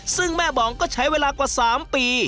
ซึ่งแม่บองก็ใช้เวลากว่า๓ปี